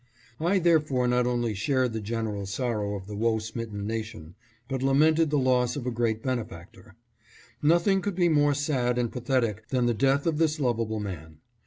I therefore not only shared the general sorrow of the woe smitten nation, but lamented the loss of a great benefactor. Nothing could be more sad and pathetic than the death of this lovable man.